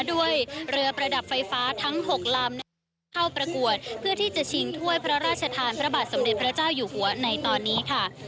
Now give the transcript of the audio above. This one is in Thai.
ด้วยเรือประดับไฟฟ้าทั้ง๖ลำเข้าประกวดเพื่อที่จะชิงถ้วยพระราชทานพระบาทสมเด็จพระเจ้าอยู่หัวในตอนนี้ค่ะ